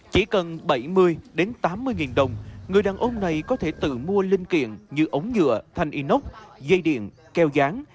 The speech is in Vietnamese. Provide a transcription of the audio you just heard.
chỉ cần bảy mươi tám mươi nghìn đồng người đàn ông này có thể tự mua linh kiện như ống nhựa thanh inox dây điện keo dáng